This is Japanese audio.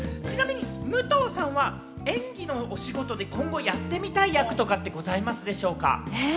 武藤さんはちなみに演技の仕事で今後やってみたい役とかってございますでしょうか？